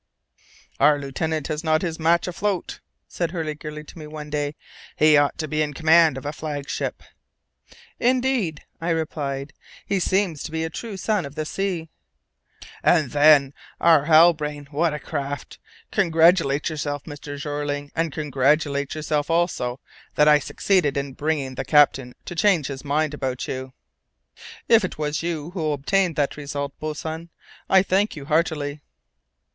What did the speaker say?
"Our lieutenant has not his match afloat," said Hurliguerly to me one day. "He ought to be in command of a flag ship." "Indeed," I replied, "he seems to be a true son of the sea." "And then, our Halbrane, what a craft! Congratulate yourself, Mr. Jeorling, and congratulate yourself also that I succeeded in bringing the captain to change his mind about you." "If it was you who obtained that result, boatswain, I thank you heartily."